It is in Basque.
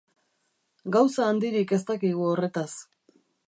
Gauza handirik ez dakigu horretaz.